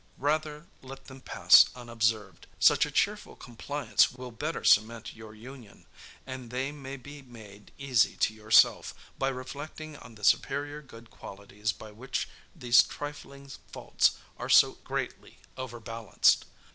Rather let them pass unobserved. Such a cheerful compliance will better cement your union; and they may be made easy to yourself, by reflecting on the superior good qualities by which these trifling faults are so greatly overbalanced.